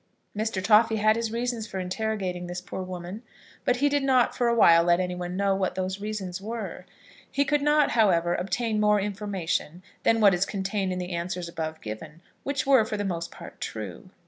Mr. Toffy had his reasons for interrogating this poor woman, but he did not for a while let any one know what those reasons were. He could not, however, obtain more information than what is contained in the answers above given, which were, for the most part, true.